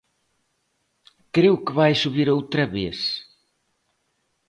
Creo que vai subir outra vez.